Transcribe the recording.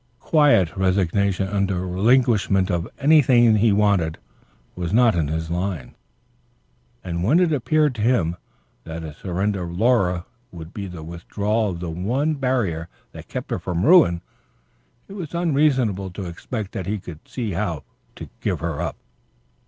Quiet resignation under relinquishment of any thing he wanted was not in his line. And when it appeared to him that his surrender of Laura would be the withdrawal of the one barrier that kept her from ruin, it was unreasonable to expect that he could see how to give her up.